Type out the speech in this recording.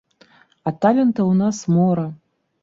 А талентаў у нас мора.